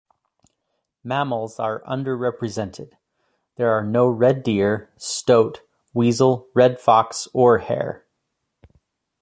Mammals are under-represented; there are no red deer, stoat, weasel, red fox or hare.